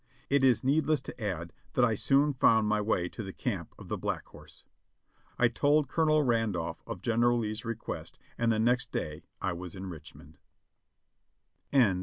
It is needless to add that I soon found my way to the camp of the Black Horse. I told Colonel Randolph of General Lee's request and the next day I was in Richmond.